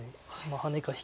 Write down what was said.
ハネか引き。